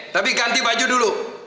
tapi ganti baju dulu